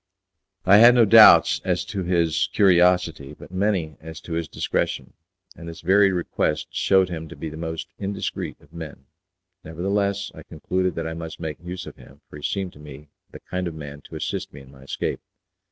I had no doubts as to his curiosity, but many as to his discretion, and this very request shewed him to be the most indiscreet of men. Nevertheless, I concluded that I must make use of him, for he seemed to me the kind of man to assist me in my escape.